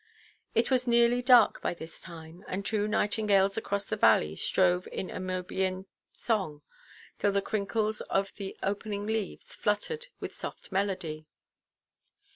It was nearly dark by this time, and two nightingales, across the valley, strove in Amoibæan song till the crinkles of the opening leaves fluttered with soft melody.